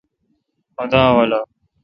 خدا اولو۔